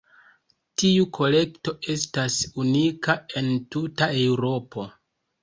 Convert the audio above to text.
Tiu kolekto estas unika en tuta Eŭropo.